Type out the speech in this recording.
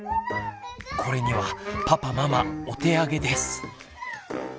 これにはパパママお手上げです。